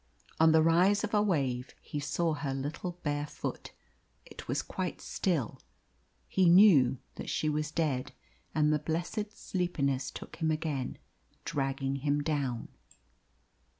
On the rise of a wave he saw her little bare foot; it was quite still. He knew that she was dead, and the blessed sleepiness took him again, dragging him down.